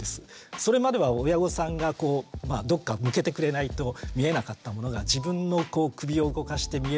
それまでは親御さんがどっか向けてくれないと見えなかったものが自分の首を動かして見えるようになる。